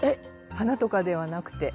花とかではなくて。